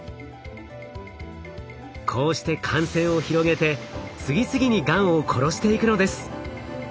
こうして感染を広げて次々にがんを殺していくのです。